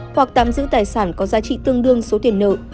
hoặc tạm giữ tài sản có giá trị tương đương số tiền nợ